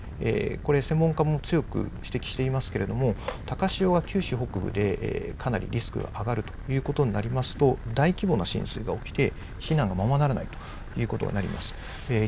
これ、専門家も強く指摘していますけれども、高潮は九州北部でかなりリスクが上がるということになりますと、大規模な浸水が起きて、避難がままならないということになります。